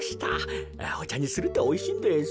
おちゃにするとおいしいんです。